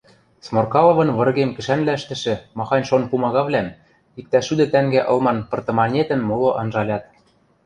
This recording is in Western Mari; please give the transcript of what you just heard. Сморкаловын выргем кӹшӓнвлӓштӹшӹ махань-шон пумагавлӓм, иктӓ шӱдӹ тӓнгӓ ылман пыртыманетӹм моло анжалят